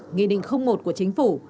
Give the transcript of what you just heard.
nghị định một của chính phủ